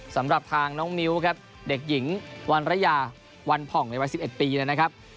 สำหรับทางน้องมิ้วครับเด็กหญิงวันระยาวันผ่องในวัย๑๑ปีนะครับ